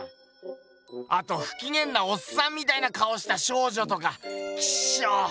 あとふきげんなおっさんみたいな顔をした少女とかキショ！